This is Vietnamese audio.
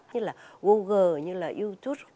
như là google như là youtube